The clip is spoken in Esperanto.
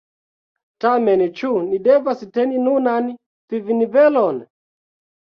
Tamen, ĉu ni devas teni nunan vivnivelon?